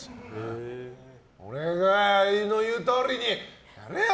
俺の言うとおりにやれよ！